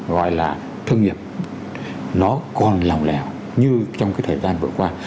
gọi là thương nghiệp nó còn lỏng lẻo như trong cái thời gian vừa qua